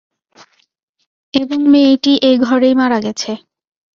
এবং মেয়েটি এই ঘরেই মারা গেছে।